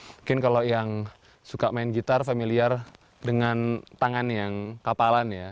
mungkin kalau yang suka main gitar familiar dengan tangan yang kapalan ya